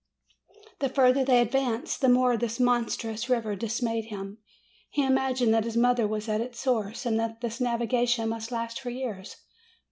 The further they advanced, the more this monstrous river dismayed him. He imagined that his mother was at its source, and that their navigation must last for years.